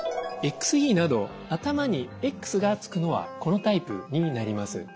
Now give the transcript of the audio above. ＸＥなど頭にＸが付くのはこのタイプになります。